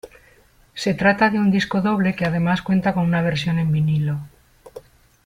Se trata de un disco doble que además cuenta con una versión en vinilo.